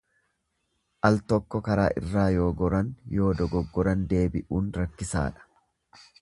Al tokko karaa irraa yoo goran yoo dogongoran deebi'uun rakkisaadha.